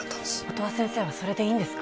音羽先生はそれでいいんですか？